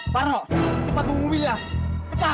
pak rok cepat ke mobilnya cepat